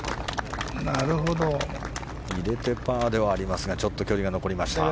入れてパーではありますが距離が残りました。